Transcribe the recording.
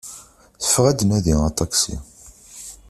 Teffeɣ ad d-tnadi aṭaksi.